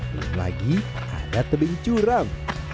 belum lagi ada tebing curam